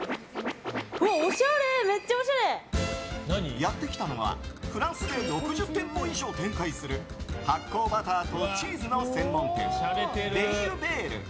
やってきたのは、フランスで６０店舗以上展開する発酵バターとチーズの専門店ベイユヴェール。